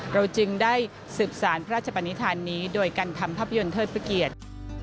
เราจึงได้สืบสารพระราชปนิษฐานนี้โดยการทำภาพยนตร์เทิดพระเกียรติ